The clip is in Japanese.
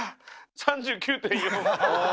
３９．４。